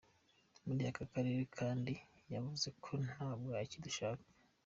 Muri aka karere kandi yavuze ko "nta bwaki dushaka".